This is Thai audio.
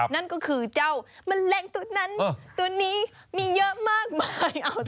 นั่นก็คือเจ้าแมลงตัวนั้นตัวนี้มีเยอะมากมาย